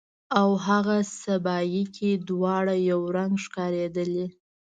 او هاغه سبایي کې دواړه یو رنګ ښکاریدلې